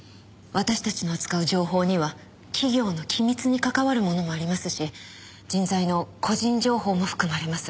私たちの扱う情報には企業の機密に関わるものもありますし人材の個人情報も含まれます。